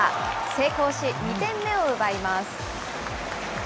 成功し、２点目を奪います。